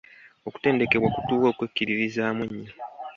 Okutendekebwa kutuwa okwekkiririzaamu ennyo.